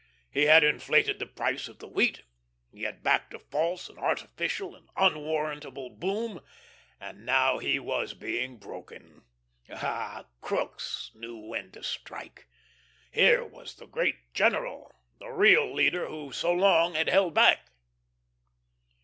He had inflated the price of the wheat, he had backed a false, an artificial, and unwarrantable boom, and now he was being broken. Ah Crookes knew when to strike. Here was the great general the real leader who so long had held back.